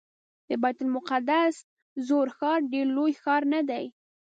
د بیت المقدس زوړ ښار ډېر لوی ښار نه دی.